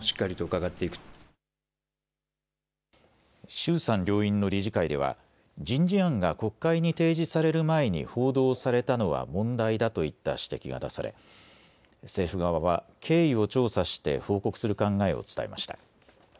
衆参両院の理事会では人事案が国会に提示される前に報道されたのは問題だといった指摘が出され政府側は経緯を調査して報告する考えを伝えました。